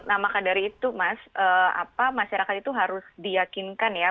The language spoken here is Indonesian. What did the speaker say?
nah maka dari itu mas masyarakat itu harus diyakinkan ya